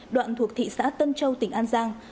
đoạn thuộc thị xã tân châu tỉnh an giang